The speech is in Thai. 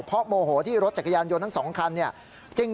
เพราะโมโหที่รถจักรยานยนต์ทั้งสองคันเนี่ย